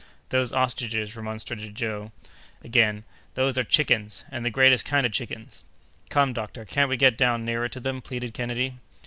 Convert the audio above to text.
"Those ostriches?" remonstrated Joe, again; "those are chickens, and the greatest kind of chickens!" "Come, doctor, can't we get down nearer to them?" pleaded Kennedy.